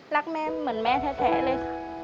รักแม่เหมือนแม่แท้เลยค่ะ